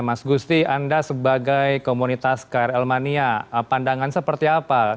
mas gusti anda sebagai komunitas krl mania pandangan seperti apa